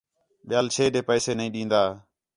ٻِیال چھے ݙے پیسے نہیں ݙین٘داں